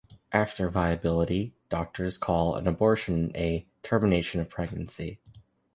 After viability, doctors call an abortion a "termination of pregnancy".